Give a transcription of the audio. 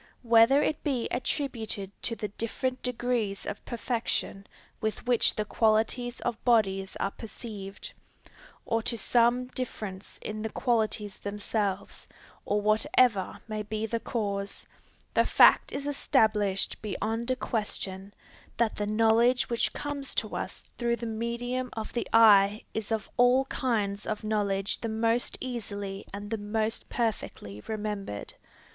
Whether it be attributed to the different degrees of perfection with which the qualities of bodies are perceived, or to some difference in the qualities themselves, or whatever may be the cause, the fact is established beyond a question, that the knowledge which comes to us through the medium of the eye is of all kinds of knowledge the most easily and the most perfectly remembered.